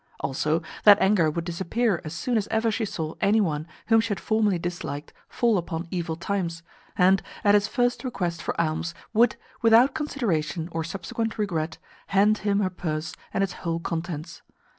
Also, that anger would disappear as soon as ever she saw any one whom she had formerly disliked fall upon evil times, and, at his first request for alms would, without consideration or subsequent regret, hand him her purse and its whole contents.